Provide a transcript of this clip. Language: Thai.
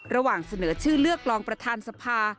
ระหว่างเสนอชื่อเลือกรองประธานสภา